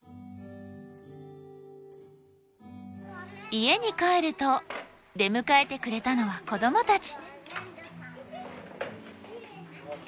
家に帰ると出迎えてくれたのは子どもたち。